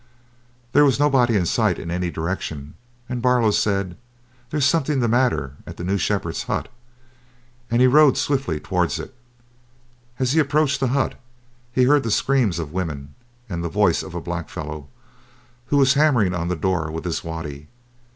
There was nobody in sight in any direction, and Barlow said, "There's something the matter at the new shepherd's hut," and he rode swiftly towards it. As he approached the hut, he heard the screams of women and the voice of a blackfellow, who was hammering on the door with his waddy.